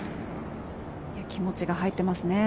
気持ちが入ってますね。